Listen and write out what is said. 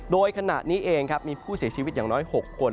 โดยขณะนี้เองครับมีผู้เสียชีวิตอย่างน้อย๖คน